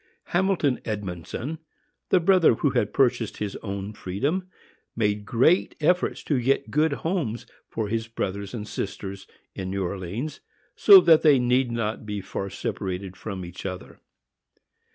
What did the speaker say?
Hamilton Edmondson, the brother who had purchased his own freedom, made great efforts to get good homes for his brothers and sisters in New Orleans, so that they need not be far separated from each other.